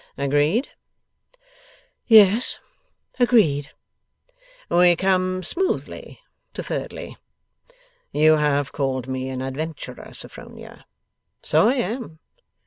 Agreed?' 'Yes. Agreed.' 'We come smoothly to thirdly. You have called me an adventurer, Sophronia. So I am.